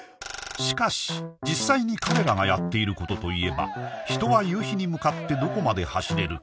しかし実際に彼らがやっていることといえば「人は夕日に向かってどこまで走れるか！？」